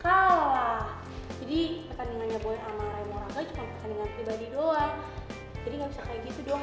jadi gak bisa kayak gitu doang